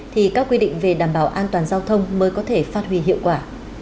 thì các quy định về đảm bảo an toàn giao thông mới có thể phát huy hiệu quả